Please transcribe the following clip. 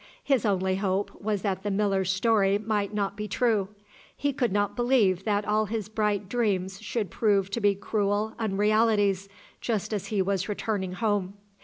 His only hope was that the miller's story might not be true. He could not believe that all his bright dreams should prove to be cruel unrealities just as he was returning home.